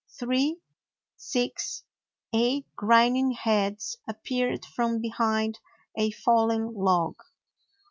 Three, six, eight grinning heads appeared from behind a fallen log.